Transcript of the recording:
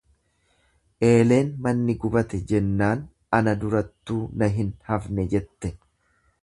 Eeleen manni gubate jennaan ana durattuu naa hin hafne jette.